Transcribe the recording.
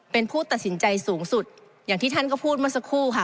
เป็นผู้ตัดสินใจสูงสุดอย่างที่ท่านก็พูดเมื่อสักครู่ค่ะ